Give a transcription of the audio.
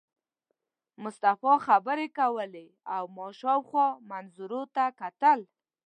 مصطفی خبرې کولې او ما شاوخوا منظرو ته کتل.